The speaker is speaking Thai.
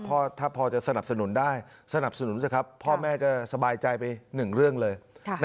ถ้าพอจะสนับสนุนได้สนับสนุนสิครับพ่อแม่จะสบายใจไปหนึ่งเรื่องเลย